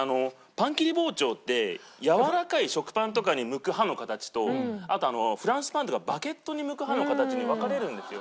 パン切り包丁ってやわらかい食パンとかに向く刃の形とあとフランスパンとかバゲットに向く刃の形に分かれるんですよ。